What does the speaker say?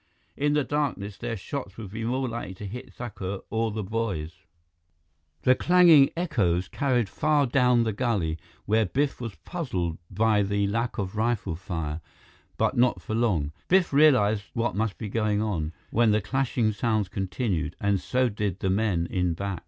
In the darkness, their shots would be more likely to hit Thakur or the boys. The clanging echoes carried far down the gully, where Biff was puzzled by the lack of rifle fire, but not for long. Biff realized what must be going on, when the clashing sounds continued; and so did the men in back.